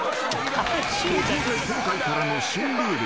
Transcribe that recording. ［ここで今回からの新ルール。